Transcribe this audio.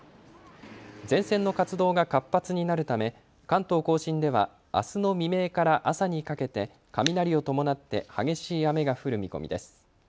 前線の活動が活発になるため関東甲信ではあすの未明から朝にかけて雷を伴って激しい雨が降る見込みです。